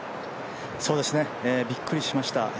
びっくりしました。